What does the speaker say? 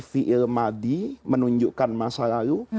fi'il madi menunjukkan masa lalu